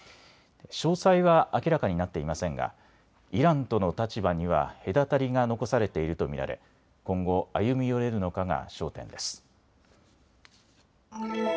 詳細は明らかになっていませんがイランとの立場には隔たりが残されていると見られ今後、歩み寄れるのかが焦点です。